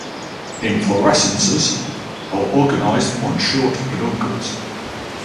Inflorescences are organized on short peduncles.